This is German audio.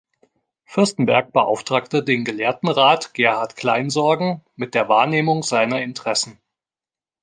Fürstenberg beauftragte den gelehrten Rat Gerhard Kleinsorgen mit der Wahrnehmung seiner Interessen.